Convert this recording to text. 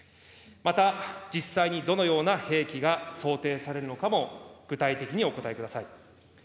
また実際にどのような兵器が想定されるのかも、具体的にお答えください。